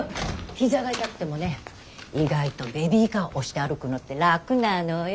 膝が痛くてもね意外とベビーカー押して歩くのって楽なのよ。